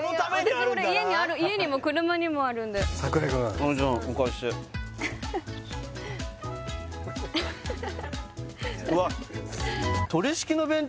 私これ家にも車にもあるんで櫻井くんああじゃお借りしてうわっ